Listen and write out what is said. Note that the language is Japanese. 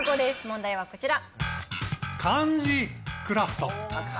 問題はこちら。